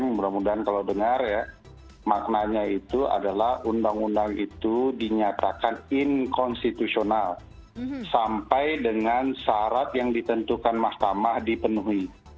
mudah mudahan kalau dengar ya maknanya itu adalah undang undang itu dinyatakan inkonstitusional sampai dengan syarat yang ditentukan mahkamah dipenuhi